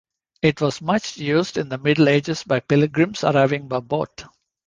It was much used in the Middle Ages by pilgrims arriving by boat.